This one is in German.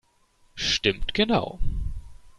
Stimmt genau!